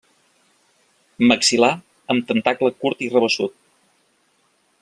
Maxil·lar amb tentacle curt i rabassut.